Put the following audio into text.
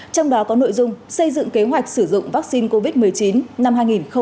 trong đó có nội dung xây dựng kế hoạch sử dụng vaccine covid một mươi chín năm hai nghìn hai mươi